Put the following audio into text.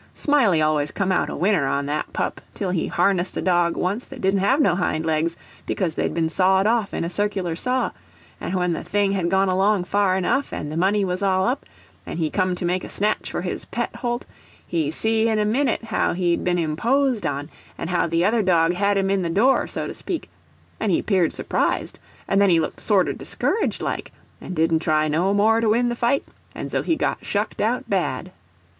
Smiley always come out winner on that pup, till he harnessed a dog once that didn't have no hind legs, because they'd been sawed off in a circular saw, and when the thing had gone along far enough, and the money was all up, and he come to make a snatch for his pet holt, he see in a minute how he'd been imposed on, and how the other dog had him in the door, so to speak, and he 'peared surprised, and then he looked sorter discouraged like, and didn't try no more to win the fight, and so he got shucked out bad.